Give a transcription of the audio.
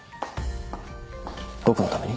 僕のために？